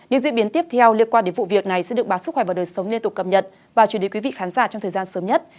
điều diễn biến tiếp theo liên quan đến vụ việc này sẽ được báo sức khỏe và đời sống liên tục cập nhật vào chủ đề quý vị khán giả trong thời gian sớm nhất